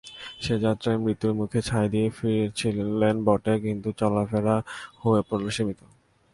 সে-যাত্রায় মৃত্যুর মুখে ছাই দিয়ে ফিরলেন বটে, কিন্তু চলাফেরা হয়ে পড়ল সীমিত।